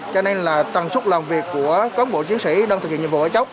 cho nên là tầng súc làm việc của các bộ chiến sĩ đang thực hiện nhiệm vụ ở chốc